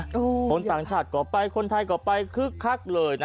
โอ้หัวต่างชาติก่อไปคนไทยหัวไปคึ๊กครักเลยนะ